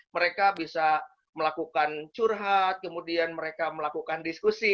mereka bisa melakukan curhat kemudian mereka melakukan diskusi